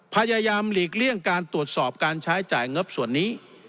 พยายามหลีกเลี่ยงการตรวจสอบการใช้จ่ายงบส่วนนี้